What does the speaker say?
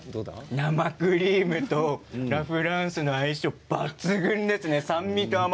生クリームとラ・フランスの相性が抜群ですね。